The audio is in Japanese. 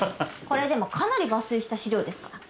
これでもかなり抜粋した資料ですから。